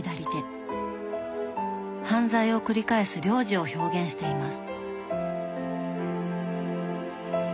犯罪を繰り返す亮司を表現しています。